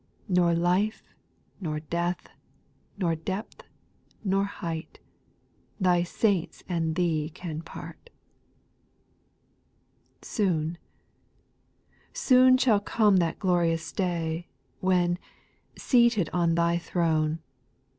Nor life, nor death, nor depth, nor height, Thy saints and Thee can part. 5. Soon, soon shall come that glorious day, When, seated on Thy throne.